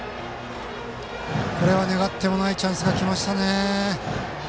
これは願ってもないチャンスが来ましたね。